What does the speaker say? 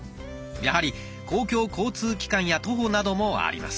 やはり公共交通機関や徒歩などもあります。